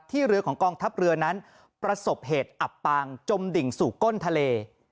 เรือของกองทัพเรือนั้นประสบเหตุอับปางจมดิ่งสู่ก้นทะเล